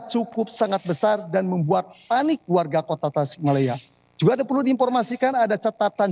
cukup sangat besar dan membuat panik warga kota tasikmalaya juga ada perlu diinformasikan ada catatan